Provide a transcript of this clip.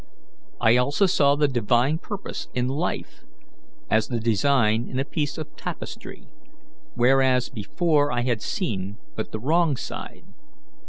I also saw the Divine purpose in life as the design in a piece of tapestry, whereas before I had seen but the wrong side.